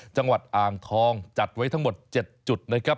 จังหวัดอ่างทองจัดไว้ทั้งหมด๗จุดนะครับ